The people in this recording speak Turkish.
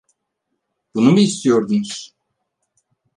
Bunu mu istiyordunuz?